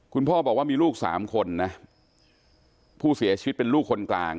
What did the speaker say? คุณพ่อบอกว่ามีลูกสามคนนะผู้เสียชีวิตเป็นลูกคนกลาง